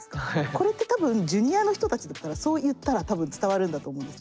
これって多分ジュニアの人たちだったらそう言ったら多分伝わるんだと思うんですけど。